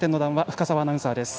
深澤アナウンサーです。